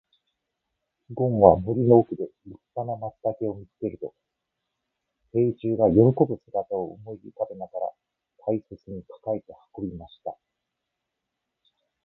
ごんは森の奥で立派な松茸を見つけると、兵十が喜ぶ姿を思い浮かべながら大切に抱えて運びました。